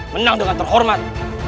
menang dengan terhormat